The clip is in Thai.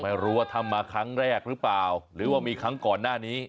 ไม่รู้ว่าทำมาครั้งแรกหรือเปล่าหรือว่ามีครั้งก่อนหน้านี้